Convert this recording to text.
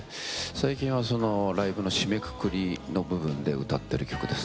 最近はライブの締めくくりの部分で歌っている曲です。